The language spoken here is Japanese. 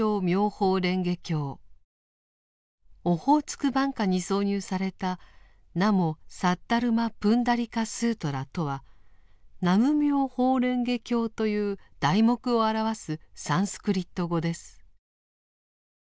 「オホーツク挽歌」に挿入された「ナモ・サッダルマ・プンダリカ・スートラ」とは「南無妙法蓮華経」という題目を表すサンスクリット語です。